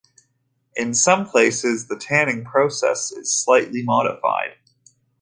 In some places, the tanning process is slightly modified.